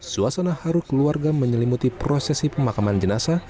suasana haruk keluarga menyelimuti prosesi pemakaman jenasa